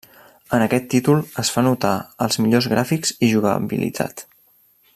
En aquest títol es fa notar els millors gràfics i jugabilitat.